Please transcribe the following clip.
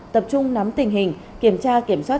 tập trung nắm tình hình kiểm tra kiểm soát